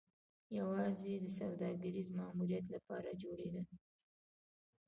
یوازې د سوداګریز ماموریت لپاره جوړېده